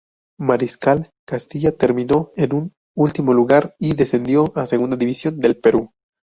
Mariscal Castilla terminó en último lugar y descendió a Segunda División del Perú.